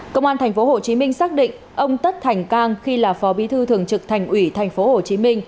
công an tp hcm xác định ông tất thành cang khi là phó bí thư thường trực thành ủy tp hcm